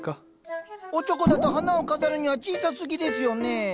おちょこだと花を飾るには小さすぎですよね。